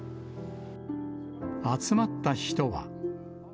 集まった人は。